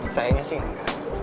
sayangnya sih gak